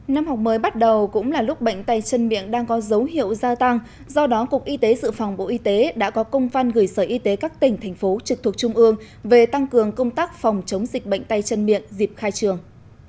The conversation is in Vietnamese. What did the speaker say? năm học mới bắt đầu cũng là lúc bệnh tay chân miệng đang có dấu hiệu gia tăng do đó cục y tế dự phòng bộ y tế đã có công văn gửi sở y tế các tỉnh thành phố trực thuộc trung ương về tăng cường công tác phòng chống dịch bệnh tay chân miệng dịp khai trường